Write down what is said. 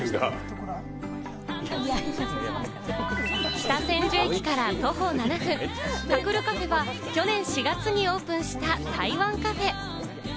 北千住駅から徒歩７分、Ｔａｋｕｒｕｃａｆｅは去年４月にオープンした台湾カフェ。